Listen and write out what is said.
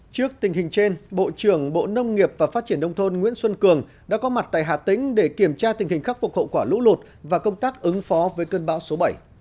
trước tình hình trên bộ trưởng bộ nông nghiệp và phát triển đông thôn nguyễn xuân cường đã có mặt tại hà tĩnh để kiểm tra tình hình khắc phục hậu quả lũ lụt và công tác ứng phó với cơn bão số bảy